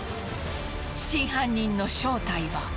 真犯人の正体は。